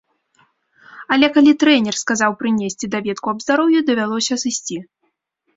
Але калі трэнер сказаў прынесці даведку аб здароўі, давялося сысці.